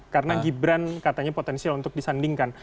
karena gibran katanya potensial untuk disandingkan